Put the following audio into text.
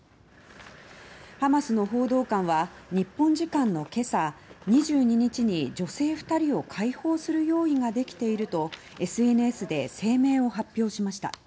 ハマスの報道官は日本時間の今朝２２日に女性２人を解放する用意ができているとＳＮＳで声明を発表しました。